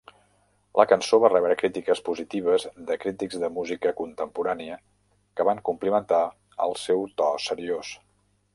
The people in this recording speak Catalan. La cançó va rebre crítiques positives de crítics de música contemporània, que van complimentar el seu to seriós.